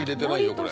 これ。